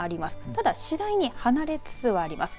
ただ、次第に離れつつあります。